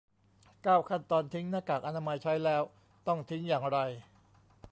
เก้า ขั้นตอนทิ้งหน้ากากอนามัย ใช้แล้วต้องทิ้งอย่างไร